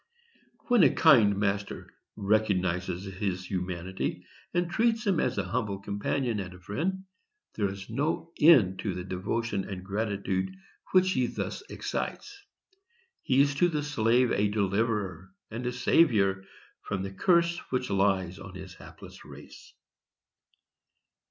When a kind master recognizes his humanity, and treats him as a humble companion and a friend, there is no end to the devotion and gratitude which he thus excites. He is to the slave a deliverer and a saviour from the curse which lies on his hapless race.